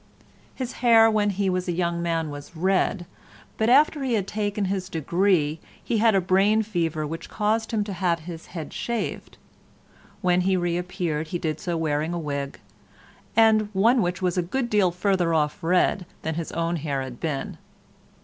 His hair when he was a young man was red, but after he had taken his degree he had a brain fever which caused him to have his head shaved; when he reappeared, he did so wearing a wig, and one which was a good deal further off red than his own hair had been.